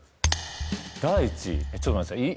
第１位ちょっと待ってください